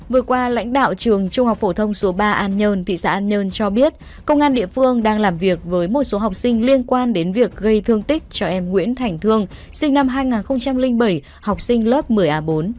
vừa qua lãnh đạo trường trung học phổ thông số ba an nhơn thị xã an nhơn cho biết công an địa phương đang làm việc với một số học sinh liên quan đến việc gây thương tích cho em nguyễn thành thương sinh năm hai nghìn bảy học sinh lớp một mươi a bốn